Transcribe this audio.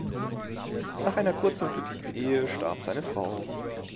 Nach einer kurzen und glücklichen Ehe starb seine Frau.